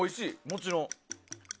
もちろん。